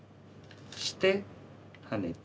そしてハネて。